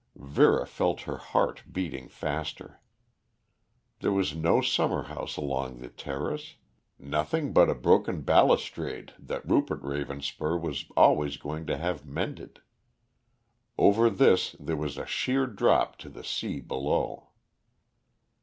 Vera felt her heart beating faster. There was no summer house along the terrace nothing but a broken balustrade that Rupert Ravenspur was always going to have mended. Over this there was a sheer drop to the sea below.